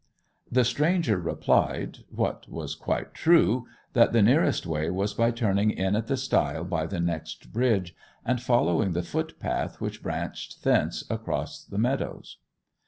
The stranger replied—what was quite true—that the nearest way was by turning in at the stile by the next bridge, and following the footpath which branched thence across the meadows.